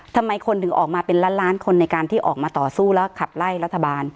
ทำไมคนถึงออกมาเป็นล้านล้านคนในการที่ออกมาต่อสู้แล้วขับไล่รัฐบาล